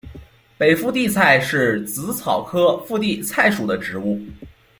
北附地菜是紫草科附地菜属的植物。